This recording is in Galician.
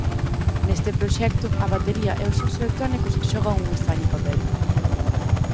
Neste proxecto a batería e os sons electrónicos xogan un estraño papel.